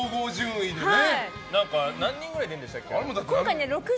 何人くらい出るんでしたっけ。